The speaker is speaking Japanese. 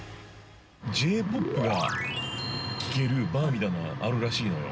◆Ｊ−ＰＯＰが聞けるバーみたいなのがあるらしいのよ。